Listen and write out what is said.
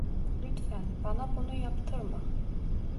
Lütfen bana bunu yaptırma.